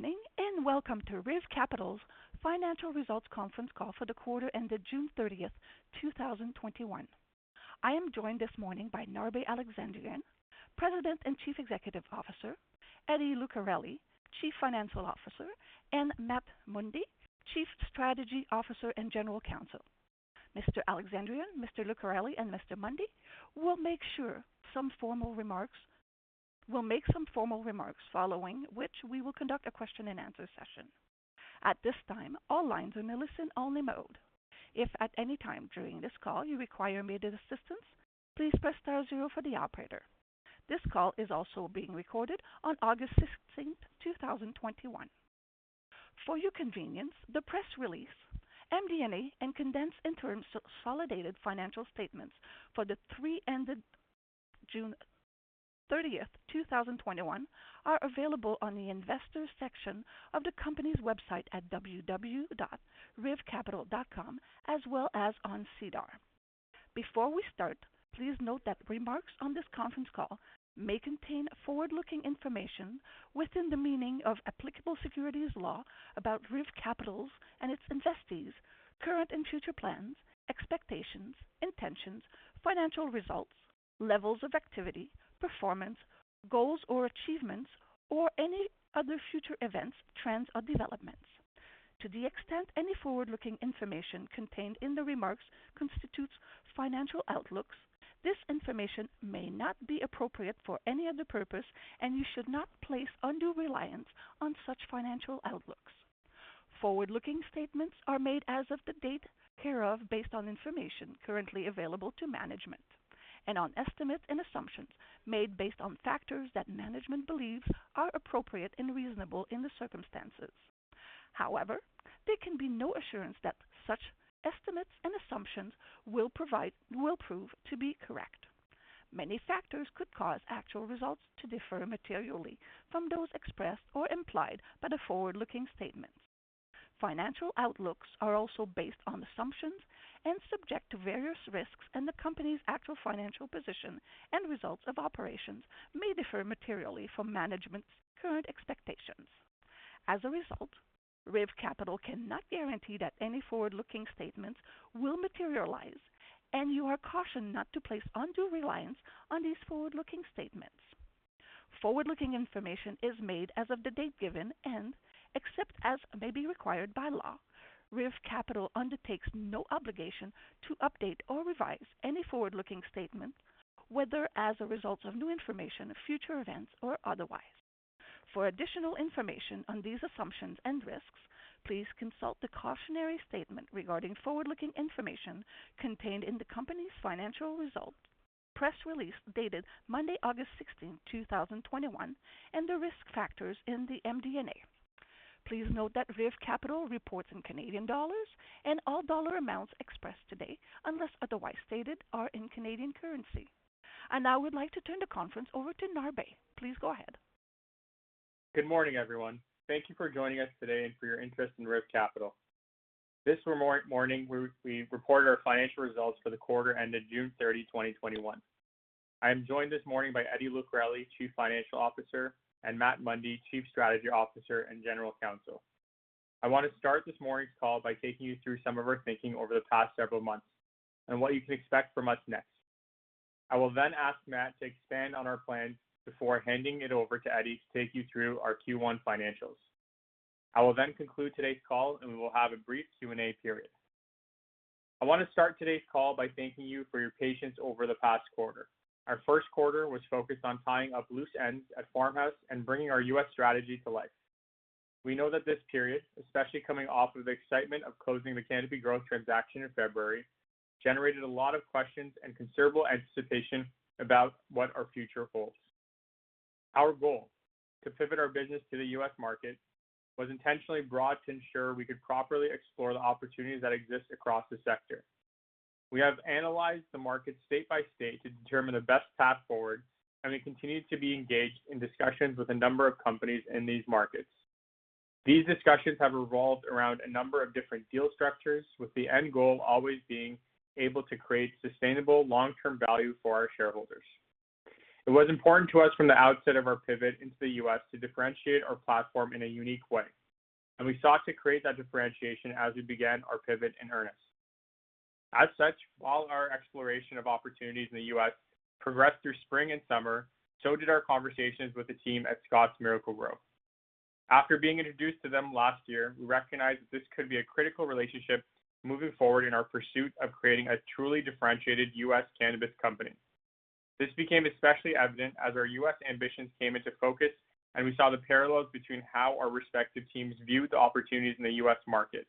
Morning, welcome to RIV Capital's financial results conference call for the quarter ended June 30th, 2021. I am joined this morning by Narbe Alexandrian, President and Chief Executive Officer; Eddie Lucarelli, Chief Financial Officer; and Matt Mundy, Chief Strategy Officer and General Counsel. Mr. Alexandrian, Mr. Lucarelli, and Mr. Mundy will make some formal remarks, following which we will conduct a question and answer session. At this time, all lines are in a listen-only mode. If at any time during this call you require immediate assistance, please press star zero for the operator. This call is also being recorded on August 16th, 2021. For your convenience, the press release, MD&A, and condensed interim consolidated financial statements for the three months ended June 30th, 2021, are available on the investors section of the company's website at www.rivcapital.com, as well as on SEDAR. Before we start, please note that remarks on this conference call may contain forward-looking information within the meaning of applicable securities law about RIV Capital's and its investees' current and future plans, expectations, intentions, financial results, levels of activity, performance, goals or achievements, or any other future events, trends, or developments. To the extent any forward-looking information contained in the remarks constitutes financial outlooks, this information may not be appropriate for any other purpose, and you should not place undue reliance on such financial outlooks. Forward-looking statements are made as of the date hereof based on information currently available to management, and on estimates and assumptions made based on factors that management believes are appropriate and reasonable in the circumstances. However, there can be no assurance that such estimates and assumptions will prove to be correct. Many factors could cause actual results to differ materially from those expressed or implied by the forward-looking statements. Financial outlooks are also based on assumptions and subject to various risks, and the company's actual financial position and results of operations may differ materially from management's current expectations. As a result, RIV Capital cannot guarantee that any forward-looking statements will materialize, and you are cautioned not to place undue reliance on these forward-looking statements. Forward-looking information is made as of the date given, and except as may be required by law, RIV Capital undertakes no obligation to update or revise any forward-looking statement, whether as a result of new information, future events, or otherwise. For additional information on these assumptions and risks, please consult the cautionary statement regarding forward-looking information contained in the company's financial results press release dated Monday, August 16th, 2021, and the risk factors in the MD&A. Please note that RIV Capital reports in Canadian dollars, and all dollar amounts expressed today, unless otherwise stated, are in Canadian currency. I now would like to turn the conference over to Narbe. Please go ahead. Good morning, everyone. Thank you for joining us today and for your interest in RIV Capital. This morning, we report our financial results for the quarter ended June 30, 2021. I am joined this morning by Eddie Lucarelli, Chief Financial Officer, and Matt Mundy, Chief Strategy Officer and General Counsel. I want to start this morning's call by taking you through some of our thinking over the past several months and what you can expect from us next. I will ask Matt to expand on our plans before handing it over to Eddie to take you through our Q1 financials. I will conclude today's call, and we will have a brief Q&A period. I want to start today's call by thanking you for your patience over the past quarter. Our first quarter was focused on tying up loose ends at PharmHouse and bringing our U.S. strategy to life. We know that this period, especially coming off of the excitement of closing the Canopy Growth transaction in February, generated a lot of questions and considerable anticipation about what our future holds. Our goal, to pivot our business to the U.S. market, was intentionally broad to ensure we could properly explore the opportunities that exist across the sector. We have analyzed the market state by state to determine the best path forward, and we continue to be engaged in discussions with a number of companies in these markets. These discussions have revolved around a number of different deal structures, with the end goal always being able to create sustainable long-term value for our shareholders. It was important to us from the outset of our pivot into the U.S. to differentiate our platform in a unique way, and we sought to create that differentiation as we began our pivot in earnest. While our exploration of opportunities in the U.S. progressed through spring and summer, so did our conversations with the team at ScottsMiracle-Gro. After being introduced to them last year, we recognized that this could be a critical relationship moving forward in our pursuit of creating a truly differentiated U.S. cannabis company. This became especially evident as our U.S. ambitions came into focus and we saw the parallels between how our respective teams viewed the opportunities in the U.S. market.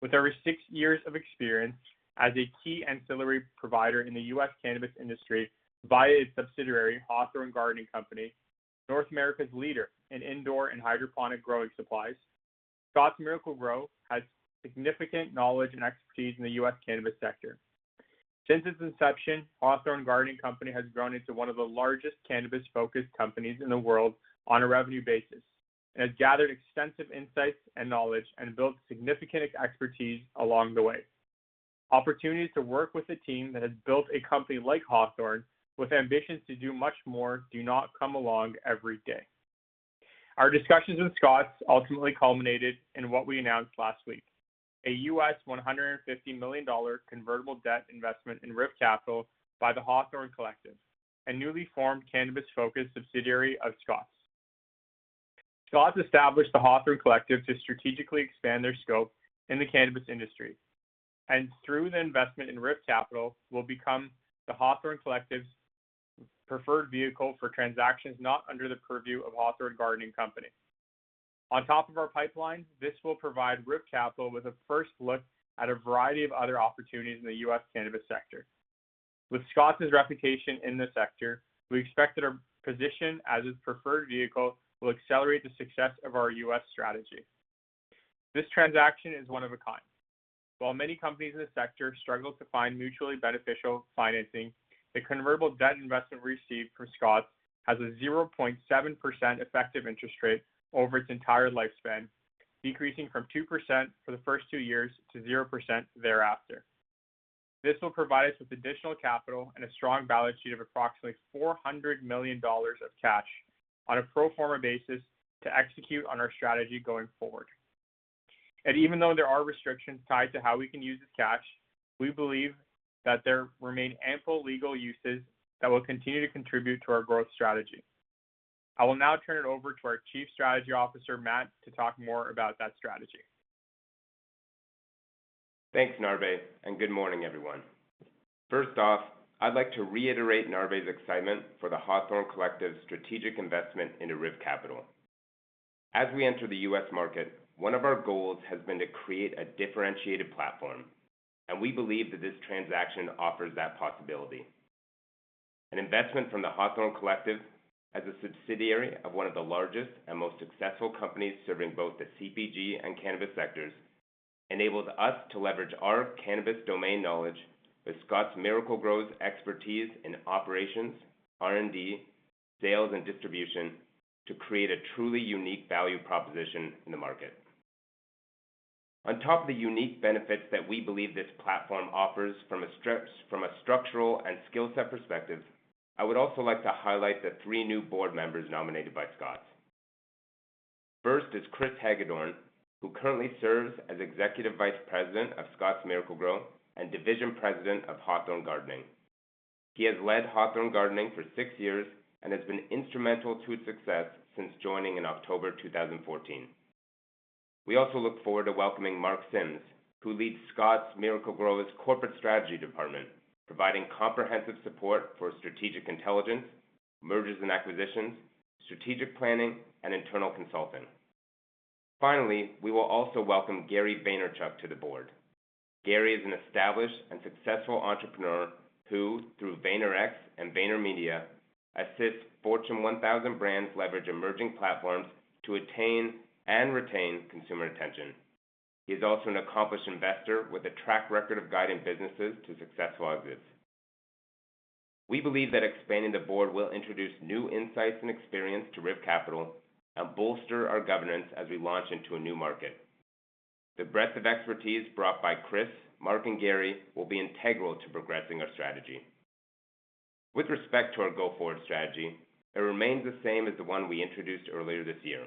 With over six years of experience as a key ancillary provider in the U.S. cannabis industry via its subsidiary, Hawthorne Gardening Company, North America's leader in indoor and hydroponic growing supplies, ScottsMiracle-Gro has significant knowledge and expertise in the U.S. cannabis sector. Since its inception, Hawthorne Gardening Company has grown into one of the largest cannabis-focused companies in the world on a revenue basis and has gathered extensive insights and knowledge and built significant expertise along the way. Opportunities to work with a team that has built a company like Hawthorne with ambitions to do much more do not come along every day. Our discussions with Scotts ultimately culminated in what we announced last week, a $150 million convertible debt investment in RIV Capital by The Hawthorne Collective, a newly formed cannabis-focused subsidiary of Scotts. Scotts established The Hawthorne Collective to strategically expand their scope in the cannabis industry, and through the investment in RIV Capital, will become The Hawthorne Collective's preferred vehicle for transactions not under the purview of Hawthorne Gardening Company. On top of our pipeline, this will provide RIV Capital with a first look at a variety of other opportunities in the U.S. cannabis sector. With Scotts' reputation in this sector, we expect that our position as its preferred vehicle will accelerate the success of our U.S. strategy. This transaction is one of a kind. While many companies in the sector struggle to find mutually beneficial financing, the convertible debt investment received from Scotts has a 0.7% effective interest rate over its entire lifespan, decreasing from 2% for the first two years to 0% thereafter. This will provide us with additional capital and a strong balance sheet of approximately 400 million dollars of cash on a pro forma basis to execute on our strategy going forward. Even though there are restrictions tied to how we can use this cash, we believe that there remain ample legal uses that will continue to contribute to our growth strategy. I will now turn it over to our Chief Strategy Officer, Matt, to talk more about that strategy. Thanks, Narbe, and good morning, everyone. First off, I'd like to reiterate Narbe's excitement for The Hawthorne Collective's strategic investment into RIV Capital. As we enter the U.S. market, one of our goals has been to create a differentiated platform, and we believe that this transaction offers that possibility. An investment from The Hawthorne Collective, as a subsidiary of one of the largest and most successful companies serving both the CPG and cannabis sectors, enables us to leverage our cannabis domain knowledge with ScottsMiracle-Gro's expertise in operations, R&D, sales, and distribution to create a truly unique value proposition in the market. On top of the unique benefits that we believe this platform offers from a structural and skill set perspective, I would also like to highlight the three new board members nominated by Scotts. First is Chris Hagedorn, who currently serves as Executive Vice President of ScottsMiracle-Gro and Division President of Hawthorne Gardening. He has led Hawthorne Gardening for six years and has been instrumental to its success since joining in October 2014. We also look forward to welcoming Mark Sims, who leads ScottsMiracle-Gro's Corporate Strategy Department, providing comprehensive support for strategic intelligence, mergers and acquisitions, strategic planning, and internal consulting. We will also welcome Gary Vaynerchuk to the board. Gary is an established and successful entrepreneur who, through VaynerX and VaynerMedia, assists Fortune 1000 brands leverage emerging platforms to attain and retain consumer attention. He is also an accomplished investor with a track record of guiding businesses to successful exits. We believe that expanding the board will introduce new insights and experience to RIV Capital and bolster our governance as we launch into a new market. The breadth of expertise brought by Chris, Mark, and Gary will be integral to progressing our strategy. With respect to our go-forward strategy, it remains the same as the one we introduced earlier this year: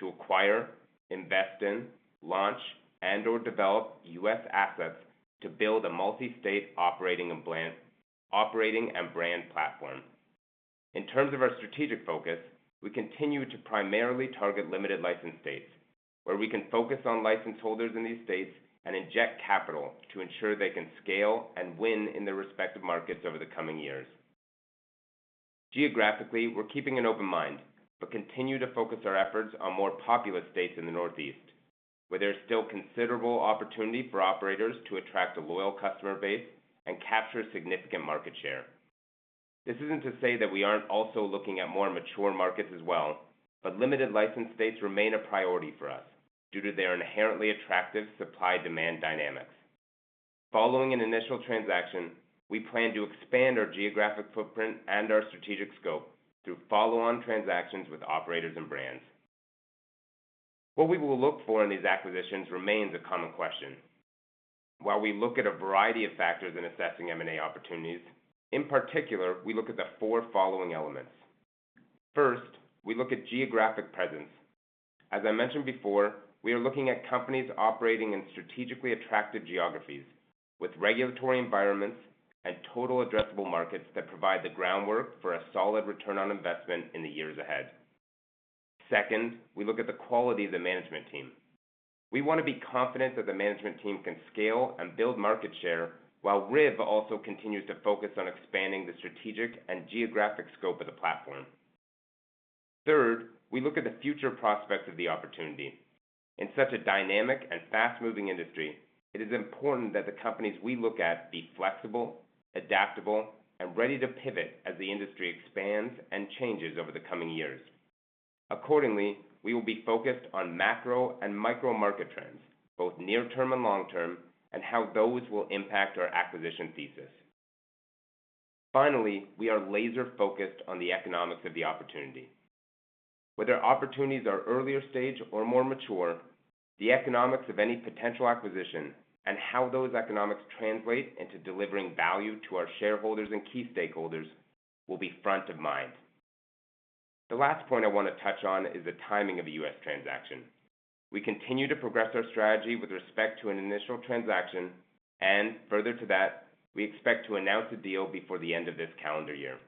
to acquire, invest in, launch, and/or develop U.S. assets to build a multi-state operating and brand platform. In terms of our strategic focus, we continue to primarily target limited license states, where we can focus on license holders in these states and inject capital to ensure they can scale and win in their respective markets over the coming years. Geographically, we're keeping an open mind, but continue to focus our efforts on more populous states in the Northeast, where there's still considerable opportunity for operators to attract a loyal customer base and capture significant market share. This isn't to say that we aren't also looking at more mature markets as well, but limited license states remain a priority for us due to their inherently attractive supply-demand dynamics. Following an initial transaction, we plan to expand our geographic footprint and our strategic scope through follow-on transactions with operators and brands. What we will look for in these acquisitions remains a common question. While we look at a variety of factors in assessing M&A opportunities, in particular, we look at the four following elements. First, we look at geographic presence. As I mentioned before, we are looking at companies operating in strategically attractive geographies with regulatory environments and total addressable markets that provide the groundwork for a solid return on investment in the years ahead. Second, we look at the quality of the management team. We want to be confident that the management team can scale and build market share while RIV also continues to focus on expanding the strategic and geographic scope of the platform. Third, we look at the future prospects of the opportunity. In such a dynamic and fast-moving industry, it is important that the companies we look at be flexible, adaptable, and ready to pivot as the industry expands and changes over the coming years. Accordingly, we will be focused on macro and micro market trends, both near-term and long-term, and how those will impact our acquisition thesis. Finally, we are laser-focused on the economics of the opportunity. Whether opportunities are earlier stage or more mature, the economics of any potential acquisition and how those economics translate into delivering value to our shareholders and key stakeholders will be front of mind. The last point I want to touch on is the timing of a U.S. transaction. We continue to progress our strategy with respect to an initial transaction, and further to that, we expect to announce a deal before the end of this calendar year.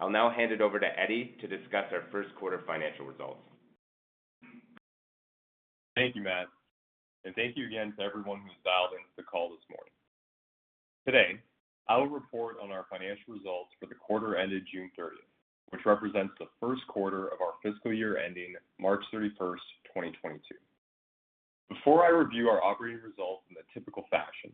I'll now hand it over to Eddie to discuss our first quarter financial results. Thank you, Matt, and thank you again to everyone who's dialed into the call this morning. Today, I will report on our financial results for the quarter ended June 30th, which represents the first quarter of our fiscal year ending March 31st, 2022. Before I review our operating results in the typical fashion,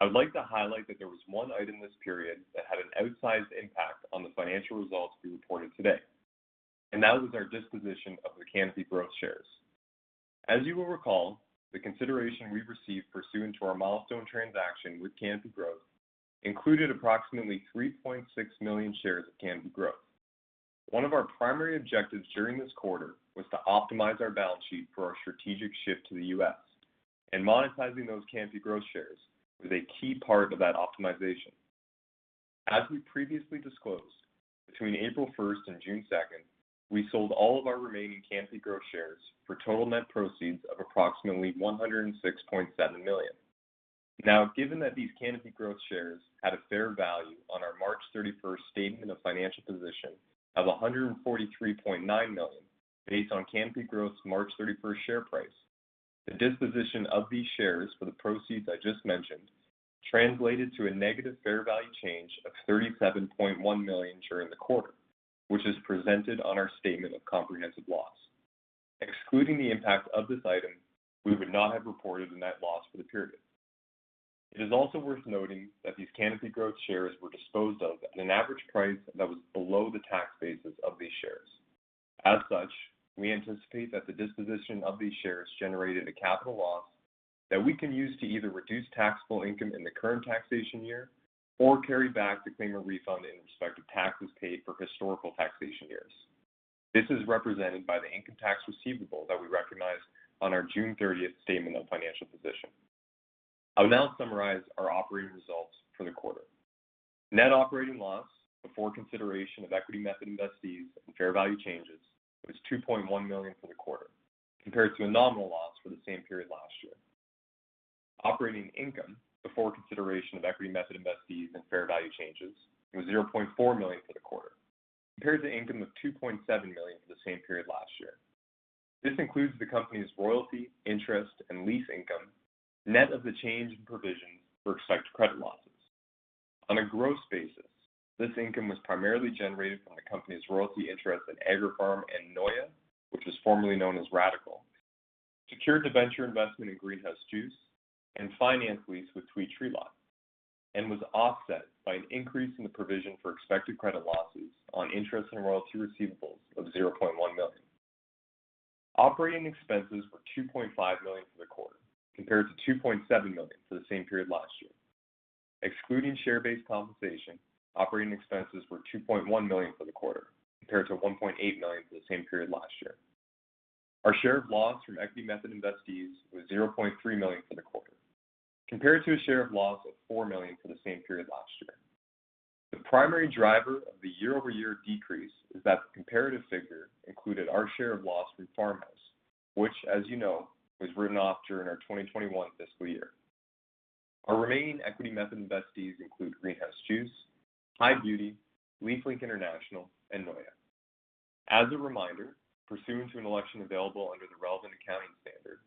I would like to highlight that there was one item this period that had an outsized impact on the financial results we reported today. That was our disposition of the Canopy Growth shares. As you will recall, the consideration we received pursuant to our milestone transaction with Canopy Growth included approximately 3.6 million shares of Canopy Growth. One of our primary objectives during this quarter was to optimize our balance sheet for our strategic shift to the U.S. Monetizing those Canopy Growth shares was a key part of that optimization. As we previously disclosed, between April 1st and June 2nd, we sold all of our remaining Canopy Growth shares for total net proceeds of approximately 106.7 million. Given that these Canopy Growth shares had a fair value on our March 31st statement of financial position of 143.9 million, based on Canopy Growth's March 31st share price, the disposition of these shares for the proceeds I just mentioned translated to a negative fair value change of 37.1 million during the quarter, which is presented on our statement of comprehensive loss. Excluding the impact of this item, we would not have reported a net loss for the period. It is also worth noting that these Canopy Growth shares were disposed of at an average price that was below the tax basis of these shares. As such, we anticipate that the disposition of these shares generated a capital loss that we can use to either reduce taxable income in the current taxation year or carry back to claim a refund in respect of taxes paid for historical taxation years. This is represented by the income tax receivable that we recognized on our June 30th statement of financial position. I will now summarize our operating results for the quarter. Net operating loss before consideration of equity method investees and fair value changes was 2.1 million for the quarter, compared to a nominal loss for the same period last year. Operating income before consideration of equity method investees and fair value changes was 0.4 million for the quarter, compared to the income of 2.7 million for the same period last year. This includes the company's royalty, interest, and lease income, net of the change in provisions for expected credit losses. On a gross basis, this income was primarily generated from the company's royalty interest in Agripharm and NOYA, which was formerly known as Radicle. Secured Debenture investment in Greenhouse Juice and finance lease with the Tweed Tree Lot, and was offset by an increase in the provision for expected credit losses on interest and royalty receivables of 0.1 million. Operating expenses were 2.5 million for the quarter, compared to 2.7 million for the same period last year. Excluding share-based compensation, operating expenses were 2.1 million for the quarter, compared to 1.8 million for the same period last year. Our share of loss from equity method investees was 0.3 million for the quarter, compared to a share of loss of 4 million for the same period last year. The primary driver of the year-over-year decrease is that the comparative figure included our share of loss from PharmHouse, which, as you know, was written off during our 2021 fiscal year. Our remaining equity method investees include Greenhouse Juice, High Beauty, LeafLink International, and NOYA. As a reminder, pursuant to an election available under the relevant accounting standard,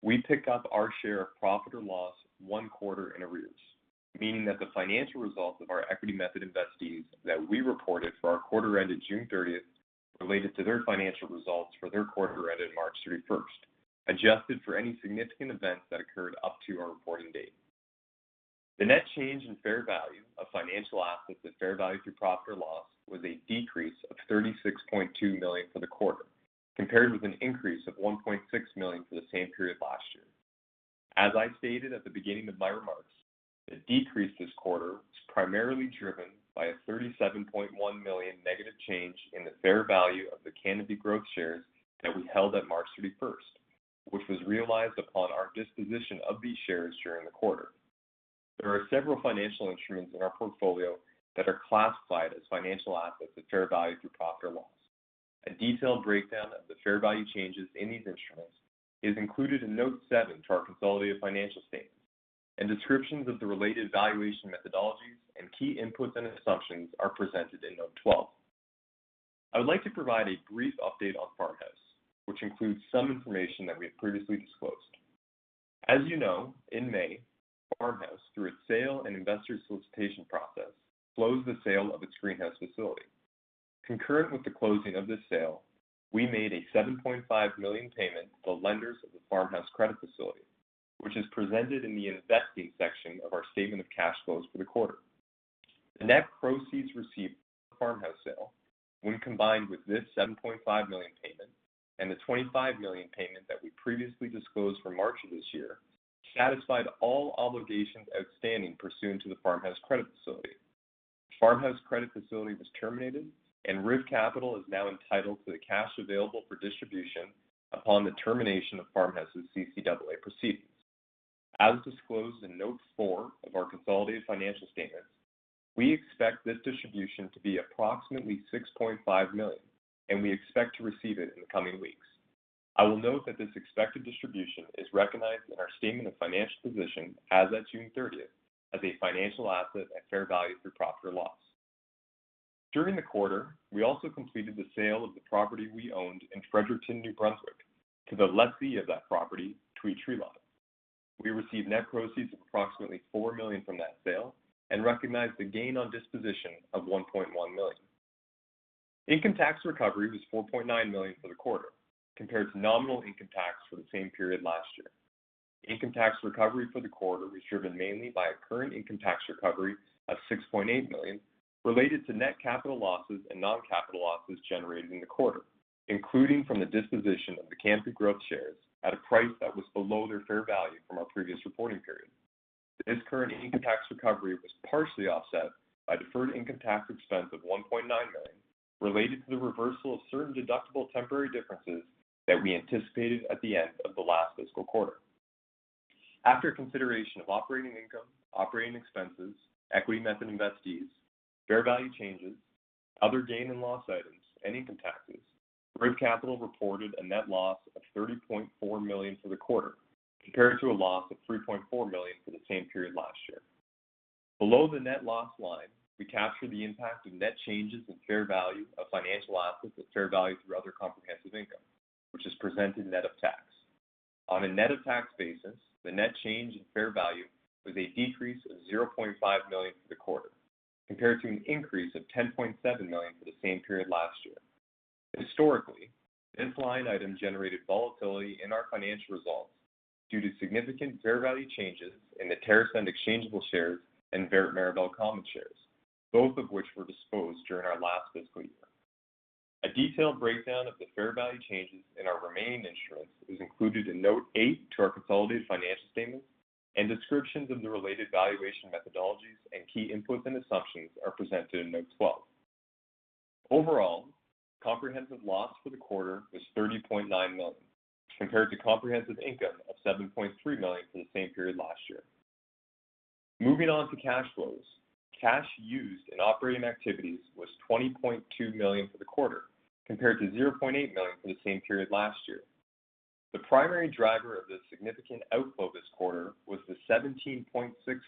we pick up our share of profit or loss one quarter in arrears, meaning that the financial results of our equity method investees that we reported for our quarter ended June 30th related to their financial results for their quarter ended March 31st, adjusted for any significant events that occurred up to our reporting date. The net change in fair value of financial assets at fair value through profit or loss was a decrease of 36.2 million for the quarter, compared with an increase of 1.6 million for the same period last year. As I stated at the beginning of my remarks, the decrease this quarter was primarily driven by a 37.1 million negative change in the fair value of the Canopy Growth shares that we held at March 31st, which was realized upon our disposition of these shares during the quarter. There are several financial instruments in our portfolio that are classified as financial assets at fair value through profit or loss. A detailed breakdown of the fair value changes in these instruments is included in Note 7 to our consolidated financial statements, and descriptions of the related valuation methodologies and key inputs and assumptions are presented in Note 12. I would like to provide a brief update on PharmHouse, which includes some information that we have previously disclosed. As you know, in May, PharmHouse, through its sale and investor solicitation process, closed the sale of its greenhouse facility. Concurrent with the closing of this sale, we made a 7.5 million payment to the lenders of the PharmHouse credit facility, which is presented in the investing section of our statement of cash flows for the quarter. The net proceeds received from the PharmHouse sale, when combined with this 7.5 million payment and the 25 million payment that we previously disclosed for March of this year satisfied all obligations outstanding pursuant to the PharmHouse credit facility. The PharmHouse credit facility was terminated, and RIV Capital is now entitled to the cash available for distribution upon the termination of PharmHouse's CCAA proceedings. As disclosed in Note 4 of our consolidated financial statements, we expect this distribution to be approximately 6.5 million, and we expect to receive it in the coming weeks. I will note that this expected distribution is recognized in our statement of financial position as at June 30th as a financial asset at fair value through profit or loss. During the quarter, we also completed the sale of the property we owned in Fredericton, New Brunswick, to the lessee of that property, Tweed Tree Lot. We received net proceeds of approximately 4 million from that sale and recognized a gain on disposition of 1.1 million. Income tax recovery was 4.9 million for the quarter compared to nominal income tax for the same period last year. Income tax recovery for the quarter was driven mainly by a current income tax recovery of 6.8 million related to net capital losses and non-capital losses generated in the quarter, including from the disposition of the Canopy Growth shares at a price that was below their fair value from our previous reporting period. This current income tax recovery was partially offset by deferred income tax expense of 1.9 million related to the reversal of certain deductible temporary differences that we anticipated at the end of the last fiscal quarter. After consideration of operating income, operating expenses, equity method investees, fair value changes, other gain and loss items, and income taxes, RIV Capital reported a net loss of 30.4 million for the quarter, compared to a loss of 3.4 million for the same period last year. Below the net loss line, we captured the impact of net changes in fair value of financial assets at fair value through other comprehensive income, which is presented net of tax. On a net-of-tax basis, the net change in fair value was a decrease of 0.5 million for the quarter, compared to an increase of 10.7 million for the same period last year. Historically, this line item generated volatility in our financial results due to significant fair value changes in the TerrAscend exchangeable shares and Vert Mirabel common shares, both of which were disposed during our last fiscal year. A detailed breakdown of the fair value changes in our remaining instruments is included in Note 8 to our consolidated financial statements, and descriptions of the related valuation methodologies and key inputs and assumptions are presented in Note 12. Overall, comprehensive loss for the quarter was 30.9 million, compared to comprehensive income of 7.3 million for the same period last year. Moving on to cash flows, cash used in operating activities was 20.2 million for the quarter, compared to 0.8 million for the same period last year. The primary driver of this significant outflow this quarter was the 17.6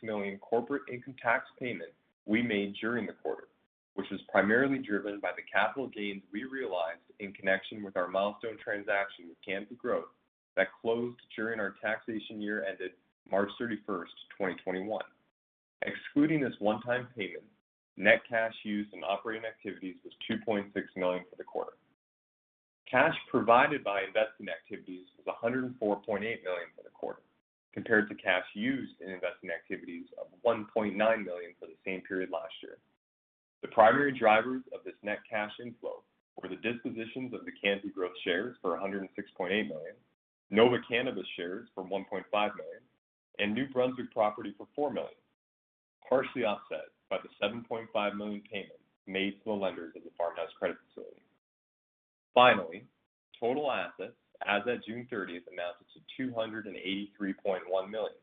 million corporate income tax payment we made during the quarter, which was primarily driven by the capital gains we realized in connection with our milestone transaction with Canopy Growth that closed during our taxation year ended March 31st, 2021. Excluding this one-time payment, net cash used in operating activities was 2.6 million for the quarter. Cash provided by investing activities was 104.8 million for the quarter, compared to cash used in investing activities of 1.9 million for the same period last year. The primary drivers of this net cash inflow were the dispositions of the Canopy Growth shares for 106.8 million, Nova Cannabis shares for 1.5 million, and New Brunswick property for 4 million, partially offset by the 7.5 million payment made to the lenders of the PharmHouse credit facility. Finally, total assets as of June 30th amounted to 283.1 million,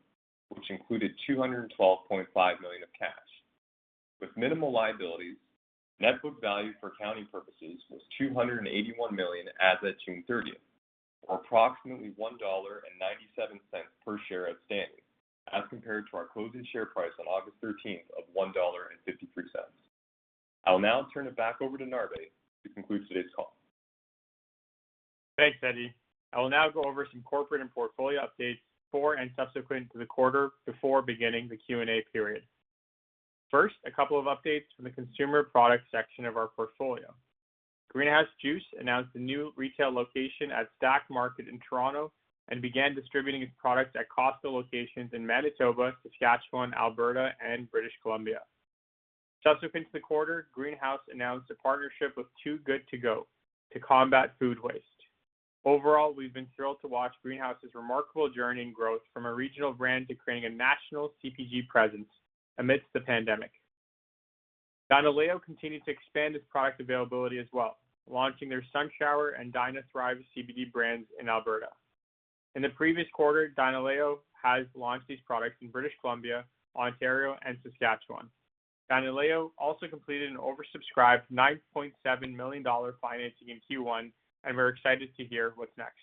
which included 212.5 million of cash. With minimal liabilities, net book value for accounting purposes was 281 million as of June 30th, or approximately 1.97 dollar per share outstanding, as compared to our closing share price on August 13th of 1.53 dollar. I will now turn it back over to Narbe to conclude today's call. Thanks, Eddie. I will now go over some corporate and portfolio updates for and subsequent to the quarter before beginning the Q&A period. First, a couple of updates from the consumer products section of our portfolio. Greenhouse Juice announced a new retail location at STACKT Market in Toronto and began distributing its products at Costco locations in Manitoba, Saskatchewan, Alberta, and British Columbia. Subsequent to the quarter, Greenhouse announced a partnership with Too Good To Go to combat food waste. Overall, we've been thrilled to watch Greenhouse's remarkable journey and growth from a regional brand to creating a national CPG presence amidst the pandemic. Dynaleo continued to expand its product availability as well, launching their Sunshower and DynaThrive CBD brands in Alberta. In the previous quarter, Dynaleo has launched these products in British Columbia, Ontario, and Saskatchewan.` Dynaleo also completed an oversubscribed 9.7 million dollar financing in Q1. We're excited to hear what's next.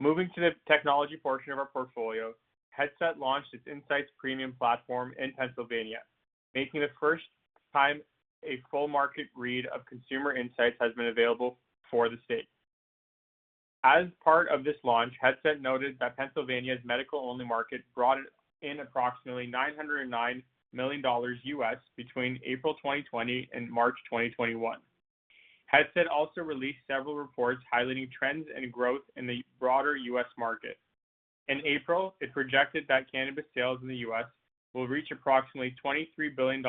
Moving to the technology portion of our portfolio, Headset launched its Insights Premium platform in Pennsylvania, making the first time a full market read of consumer insights has been available for the state. As part of this launch, Headset noted that Pennsylvania's medical-only market brought in approximately $909 million between April 2020 and March 2021. Headset also released several reports highlighting trends and growth in the broader U.S. market. In April, it projected that cannabis sales in the U.S. will reach approximately $23 billion in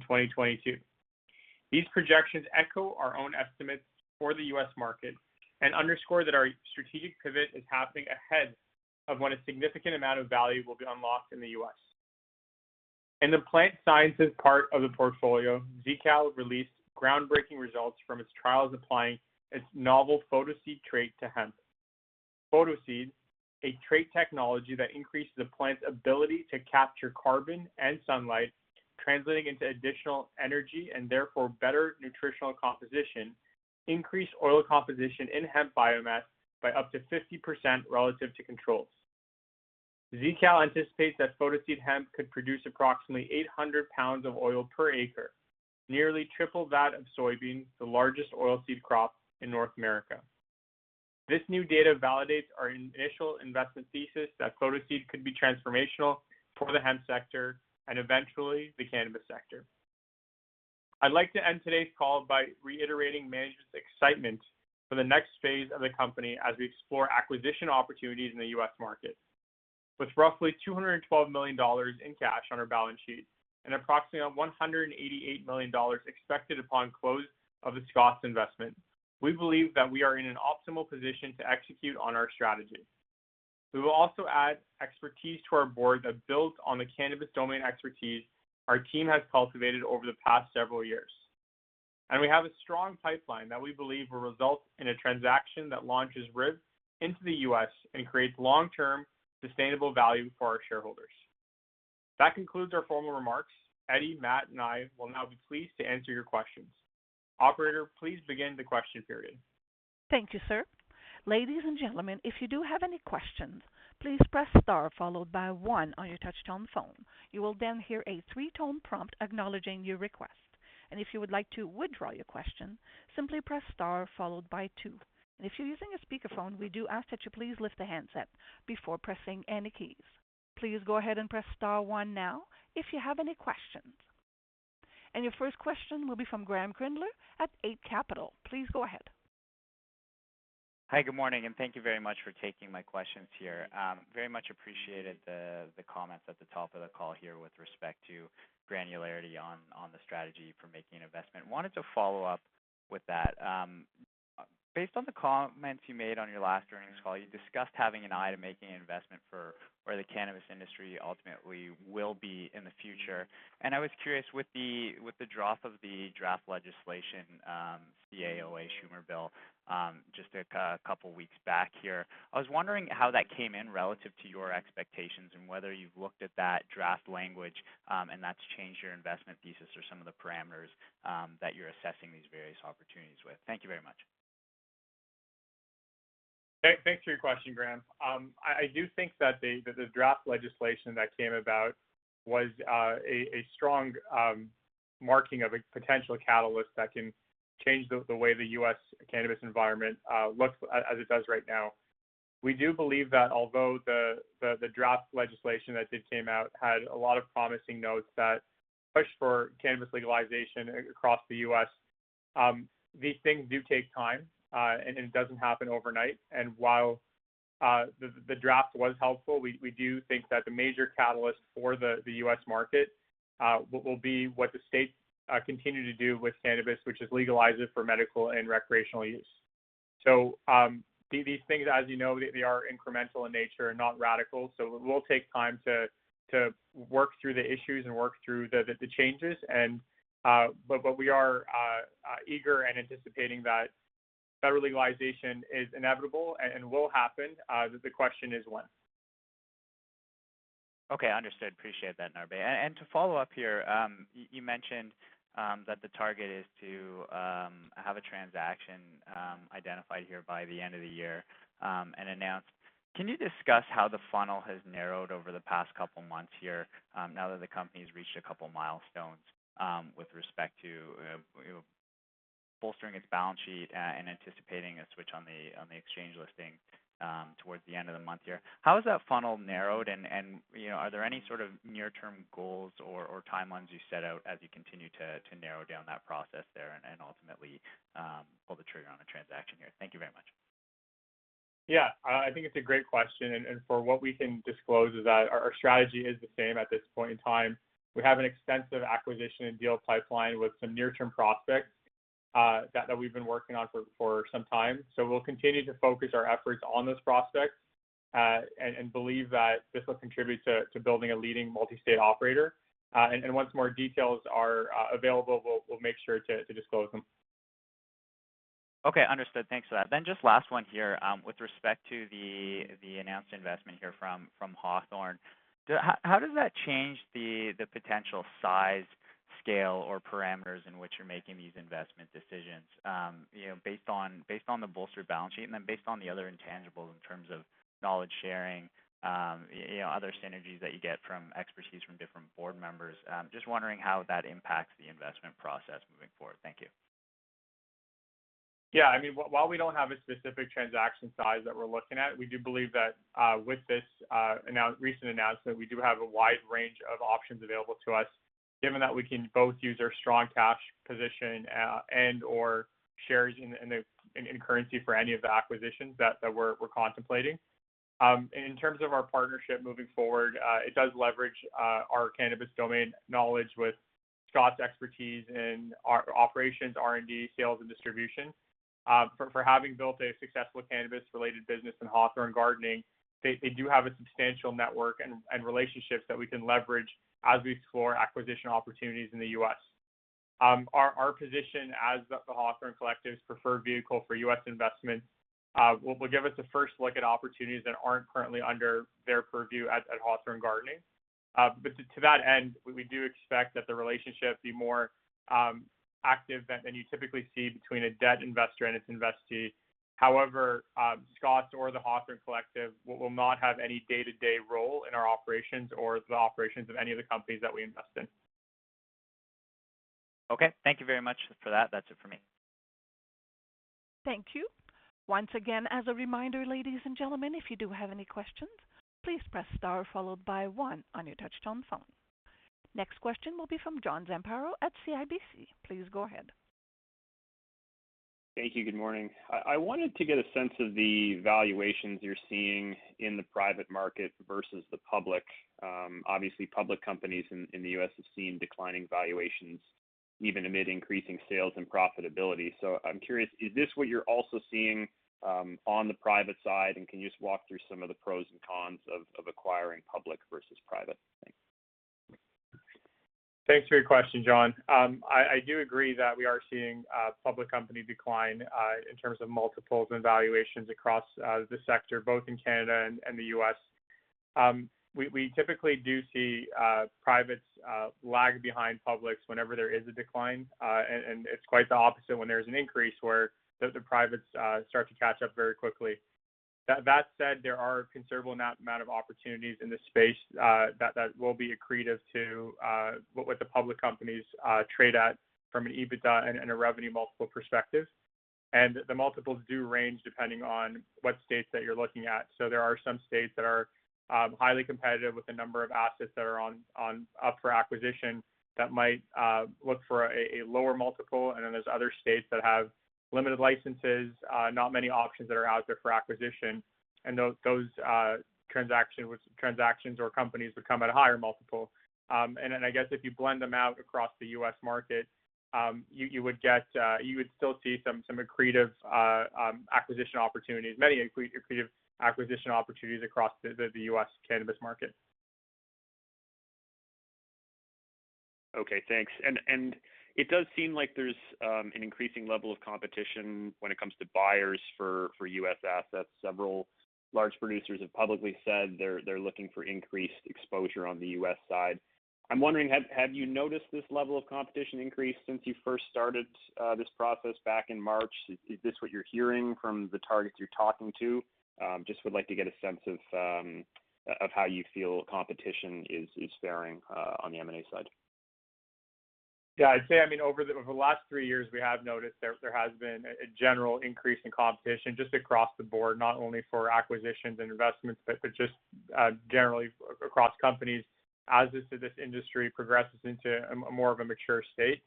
2022. These projections echo our own estimates for the U.S. market and underscore that our strategic pivot is happening ahead of when a significant amount of value will be unlocked in the U.S. In the plant sciences part of the portfolio, ZeaKal released groundbreaking results from its trials applying its novel PhotoSeed trait to hemp. PhotoSeed, a trait technology that increases the plant's ability to capture carbon and sunlight, translating into additional energy and therefore better nutritional composition, increased oil composition in hemp biomass by up to 50% relative to controls. ZeaKal anticipates that PhotoSeed hemp could produce approximately 800 lbs of oil per acre, nearly triple that of soybeans, the largest oil seed crop in North America. This new data validates our initial investment thesis that PhotoSeed could be transformational for the hemp sector and eventually the cannabis sector. I'd like to end today's call by reiterating management's excitement for the next phase of the company as we explore acquisition opportunities in the U.S. market. With roughly 212 million dollars in cash on our balance sheet and approximately 188 million dollars expected upon close of the Scotts investment, we believe that we are in an optimal position to execute on our strategy. We will also add expertise to our board that builds on the cannabis domain expertise our team has cultivated over the past several years. We have a strong pipeline that we believe will result in a transaction that launches RIV into the U.S. and creates long-term sustainable value for our shareholders. That concludes our formal remarks. Eddie, Matt, and I will now be pleased to answer your questions. Operator, please begin the question period. Thank you, sir. Ladies and gentlemen, if you do have any questions, please press star followed by one on your touch-tone phone. You will then hear a three-tone prompt acknowledging your request. If you would like to withdraw your question, simply press star followed by two. If you're using a speakerphone, we do ask that you please lift the handset before pressing any keys. Please go ahead and press star one now if you have any questions. Your first question will be from Graeme Kreindler at Eight Capital. Please go ahead. Hi, good morning. Thank you very much for taking my questions here. Very much appreciated the comments at the top of the call here with respect to granularity on the strategy for making an investment. Wanted to follow up with that. Based on the comments you made on your last earnings call, you discussed having an eye to making an investment for where the cannabis industry ultimately will be in the future. I was curious with the drop of the draft legislation, the CAOA Schumer Bill, just a couple of weeks back here, I was wondering how that came in relative to your expectations and whether you've looked at that draft language, and that's changed your investment thesis or some of the parameters that you're assessing these various opportunities with. Thank you very much. Thanks for your question, Graeme. I do think that the draft legislation that came about was a strong marking of a potential catalyst that can change the way the U.S. cannabis environment looks as it does right now. We do believe that although the draft legislation that did come out had a lot of promising notes that pushed for cannabis legalization across the U.S., these things do take time, and it doesn't happen overnight. While the draft was helpful, we do think that the major catalyst for the U.S. market will be what the states continue to do with cannabis, which is legalize it for medical and recreational use. These things, as you know, they are incremental in nature and not radical, so it will take time to work through the issues and work through the changes. We are eager and anticipating that federal legalization is inevitable and will happen. The question is when. Okay, understood. Appreciate that, Narbe. To follow up here, you mentioned that the target is to have a transaction identified here by the end of the year and announced. Can you discuss how the funnel has narrowed over the past couple months here now that the company has reached couple milestones with respect to bolstering its balance sheet and anticipating a switch on the exchange listing towards the end of the month here. How has that funnel narrowed, and are there any sort of near-term goals or timelines you set out as you continue to narrow down that process there and ultimately pull the trigger on a transaction here? Thank you very much. Yeah, I think it's a great question. For what we can disclose is that our strategy is the same at this point in time. We have an extensive acquisition and deal pipeline with some near-term prospects that we've been working on for some time. We'll continue to focus our efforts on those prospects and believe that this will contribute to building a leading multi-state operator. Once more details are available, we'll make sure to disclose them. Okay, understood. Thanks for that. Just last one here. With respect to the announced investment here from Hawthorne, how does that change the potential size, scale, or parameters in which you're making these investment decisions based on the bolstered balance sheet and then based on the other intangibles in terms of knowledge sharing, other synergies that you get from expertise from different board members? Just wondering how that impacts the investment process moving forward. Thank you. Yeah, while we don't have a specific transaction size that we're looking at, we do believe that with this recent announcement, we do have a wide range of options available to us. Given that we can both use our strong cash position and/or shares in currency for any of the acquisitions that we're contemplating. In terms of our partnership moving forward, it does leverage our cannabis domain knowledge with Scotts expertise in operations, R&D, sales, and distribution. For having built a successful cannabis-related business in Hawthorne Gardening, they do have a substantial network and relationships that we can leverage as we explore acquisition opportunities in the U.S. Our position as the Hawthorne Collective's preferred vehicle for U.S. investment will give us a first look at opportunities that aren't currently under their purview at Hawthorne Gardening. To that end, we do expect that the relationship be more active than you typically see between a debt investor and its investee. However, Scott or The Hawthorne Collective will not have any day-to-day role in our operations or the operations of any of the companies that we invest in. Okay. Thank you very much for that. That's it for me. Thank you. Once again, as a reminder, ladies and gentlemen, if you do have any questions, please press star followed by one on your touchtone phone. Next question will be from John Zamparo at CIBC. Please go ahead. Thank you. Good morning. I wanted to get a sense of the valuations you're seeing in the private market versus the public. Obviously, public companies in the U.S. have seen declining valuations even amid increasing sales and profitability. I'm curious, is this what you're also seeing on the private side, and can you just walk through some of the pros and cons of acquiring public versus private? Thanks. Thanks for your question, John. I do agree that we are seeing public company decline in terms of multiples and valuations across the sector, both in Canada and the U.S. We typically do see privates lag behind publics whenever there is a decline, and it's quite the opposite when there is an increase, where the privates start to catch up very quickly. That said, there are a considerable amount of opportunities in this space that will be accretive to what the public companies trade at from an EBITDA and a revenue multiple perspective. The multiples do range depending on what states that you're looking at. There are some states that are highly competitive with the number of assets that are up for acquisition, that might look for a lower multiple, and then there's other states that have limited licenses, not many options that are out there for acquisition, and those transactions or companies would come at a higher multiple. I guess if you blend them out across the U.S. market, you would still see some accretive acquisition opportunities, many accretive acquisition opportunities across the U.S. cannabis market. Okay, thanks. It does seem like there's an increasing level of competition when it comes to buyers for U.S. assets. Several large producers have publicly said they're looking for increased exposure on the U.S. side. I'm wondering, have you noticed this level of competition increase since you first started this process back in March? Is this what you're hearing from the targets you're talking to? Just would like to get a sense of how you feel competition is faring on the M&A side. Yeah, I'd say, over the last three years, we have noticed there has been a general increase in competition just across the board, not only for acquisitions and investments, but just generally across companies as this industry progresses into more of a mature state.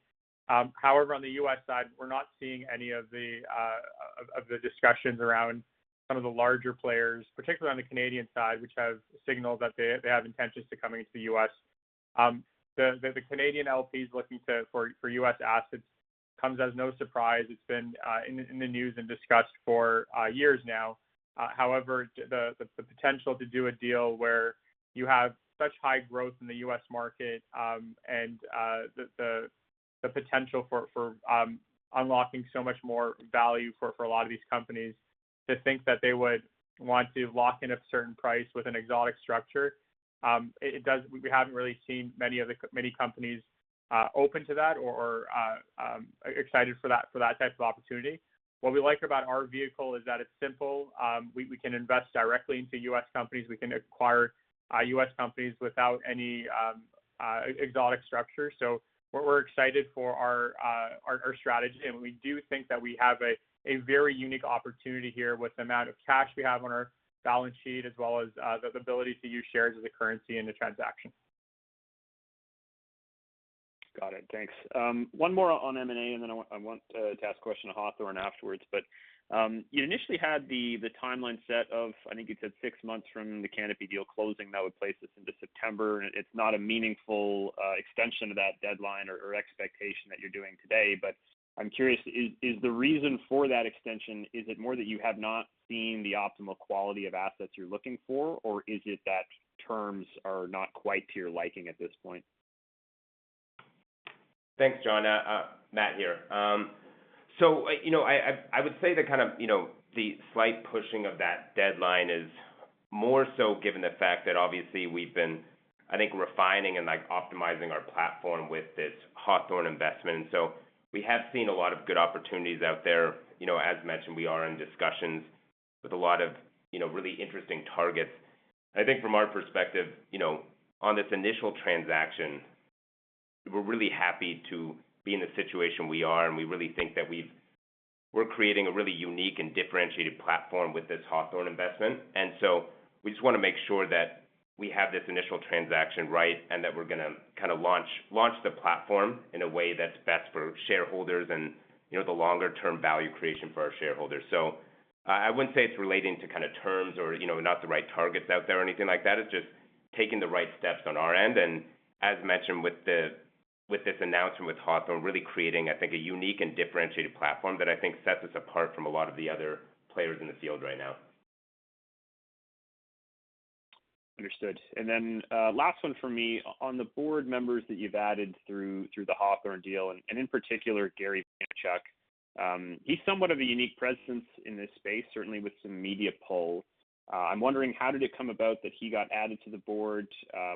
However, on the U.S. side, we're not seeing any of the discussions around some of the larger players, particularly on the Canadian side, which have signaled that they have intentions to coming into the U.S. The Canadian LPs looking for U.S. assets comes as no surprise. It's been in the news and discussed for years now. The potential to do a deal where you have such high growth in the U.S. market, and the potential for unlocking so much more value for a lot of these companies, to think that they would want to lock in a certain price with an exotic structure, we haven't really seen many companies open to that or excited for that type of opportunity. What we like about our vehicle is that it's simple. We can invest directly into U.S. companies. We can acquire U.S. companies without any exotic structure. We're excited for our strategy, and we do think that we have a very unique opportunity here with the amount of cash we have on our balance sheet, as well as the ability to use shares as a currency in the transaction. Got it. Thanks. One more on M&A, and then I want to ask a question on Hawthorne afterwards. You initially had the timeline set of, I think you said six months from the Canopy deal closing. That would place us into September, and it's not a meaningful extension of that deadline or expectation that you're doing today. I'm curious, is the reason for that extension, is it more that you have not seen the optimal quality of assets you're looking for, or is it that terms are not quite to your liking at this point? Thanks, John. Matt here. I would say the slight pushing of that deadline is more so given the fact that obviously we've been, I think, refining and optimizing our platform with this Hawthorne investment. We have seen a lot of good opportunities out there. As mentioned, we are in discussions with a lot of really interesting targets. I think from our perspective, on this initial transaction, we're really happy to be in the situation we are, and we really think that we're creating a really unique and differentiated platform with this Hawthorne investment. We just want to make sure that we have this initial transaction right and that we're going to launch the platform in a way that's best for shareholders and the longer-term value creation for our shareholders. I wouldn't say it's relating to terms or not the right targets out there or anything like that. It's just taking the right steps on our end. As mentioned with this announcement with Hawthorne, really creating, I think, a unique and differentiated platform that I think sets us apart from a lot of the other players in the field right now. Understood. Last one from me. On the board members that you've added through the Hawthorne deal, and in particular Gary Vaynerchuk, he's somewhat of a unique presence in this space, certainly with some media pull. I'm wondering, how did it come about that he got added to the board?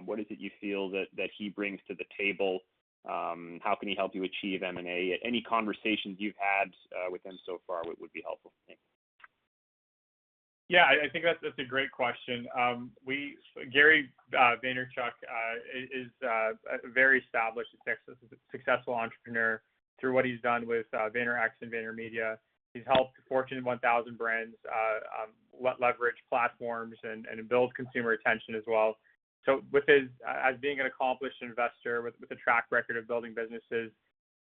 What is it you feel that he brings to the table? How can he help you achieve M&A? Any conversations you've had with him so far would be helpful. Thank you. I think that's a great question. Gary Vaynerchuk is very established, a successful entrepreneur through what he's done with VaynerX and VaynerMedia. He's helped Fortune 1000 brands leverage platforms and build consumer attention as well. As being an accomplished investor with a track record of building businesses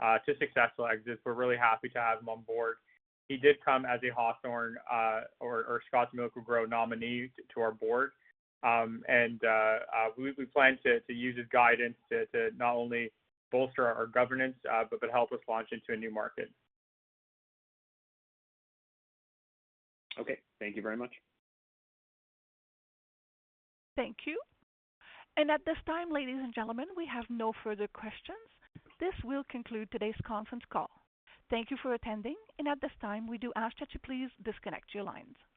to successful exits, we're really happy to have him on board. He did come as a Hawthorne or ScottsMiracle-Gro nominee to our board. We plan to use his guidance to not only bolster our governance, but help us launch into a new market. Okay. Thank you very much. Thank you. At this time, ladies and gentlemen, we have no further questions. This will conclude today's conference call. Thank you for attending, and at this time, we do ask that you please disconnect your lines.